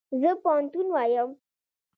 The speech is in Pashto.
زه پوهنتون وایم